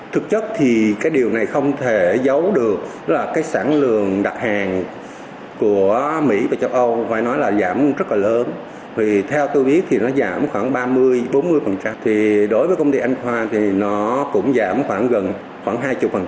thì đối với công ty anh khoa thì nó cũng giảm khoảng gần khoảng hai mươi